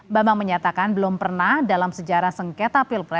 bambang menyatakan belum pernah dalam sejarah senggeta